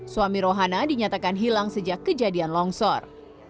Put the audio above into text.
suami rohana dinyatakan hilang sejak kejadian longsor